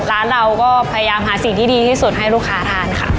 ร้านเราก็พยายามหาสิ่งที่ดีที่สุดให้ลูกค้าทานค่ะ